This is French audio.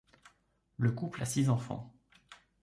Le couple a six enfants.